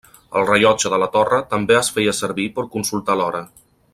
El rellotge de la torre també es feia servir per consultar l'hora.